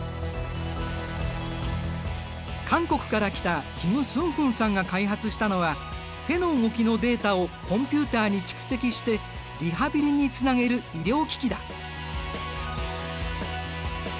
韓国から来たキム・スンフンさんが開発したのは手の動きのデータをコンピューターに蓄積してリハビリにつなげる医療機器だ。